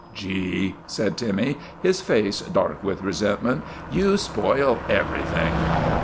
" Gee," said Timmy, his face dark with resent ment, " you spoil ever'thing."